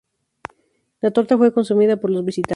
La torta fue consumida por los visitantes.